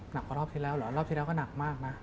หนักกว่ารอบที่แล้วเหรอรอบที่แล้วก็หนักมากนะ